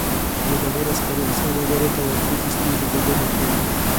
چې د ډبرو سکرو سوداګرو ته ورپېښې ستونزې دې لیرې کړي